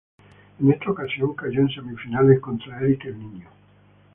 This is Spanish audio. En esta ocasión cayó en semifinales contra Eric El Niño.